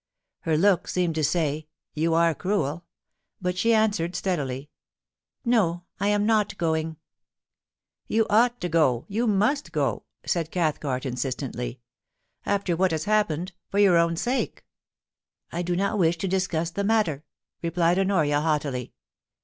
Her look seemed to say, *You are cruel;* but she answered steadily :* No, I am not going.' * You ought to go — you must go,' said Cathcart, insistently. * After what has happened — for your own sake.' * I do not wish to discuss the matter,' replied Honoria, haughtily.